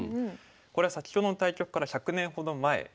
これは先ほどの対局から１００年ほど前ですね。